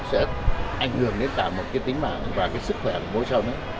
sẽ ảnh hưởng đến cả một cái tính mạng và cái sức khỏe của bố sau nữa